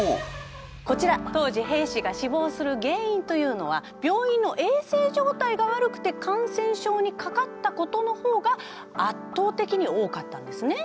こちら当時兵士が死亡する原因というのは病院の衛生状態が悪くて感染症にかかったことの方が圧倒的に多かったんですね。